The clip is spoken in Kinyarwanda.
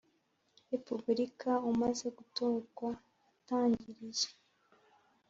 Repubulika umaze gutorwa atangiriye